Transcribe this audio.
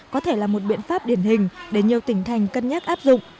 có thể là một biện pháp điển hình để nhiều tỉnh thành cân nhắc áp dụng